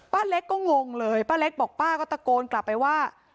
เล็กก็งงเลยป้าเล็กบอกป้าก็ตะโกนกลับไปว่า